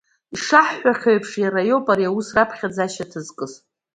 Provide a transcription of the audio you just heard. Ишаҳҳәахьоу еиԥш иара иоуп ари аус раԥхьаӡа ашьаҭа зкыз.